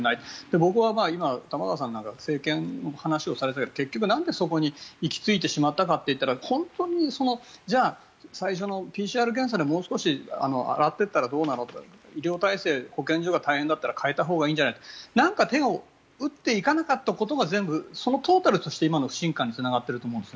僕は今、玉川さんなんかが政権の話をされたけどなんでそこに行きついてしまったかというと本当にじゃあ最初のＰＣＲ検査でもう少し洗ってったらどうなのって医療体制、保健所が大変だったら変えたほうがいいんじゃないのってなんか手を打っていかなかったことがその全部がトータルとして今の不信感につながってると思うんです。